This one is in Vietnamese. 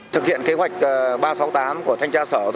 thực hiện kế hoạch ba trăm sáu mươi tám của thanh tra sở